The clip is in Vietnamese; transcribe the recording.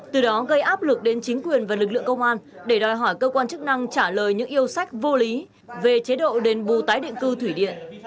từ đó gây áp lực đến chính quyền và lực lượng công an để đòi hỏi cơ quan chức năng trả lời những yêu sách vô lý về chế độ đền bù tái định cư thủy điện